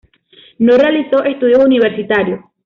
No realizó estudios universitarios.